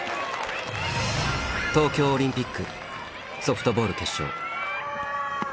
東京オリンピックソフトボール決勝。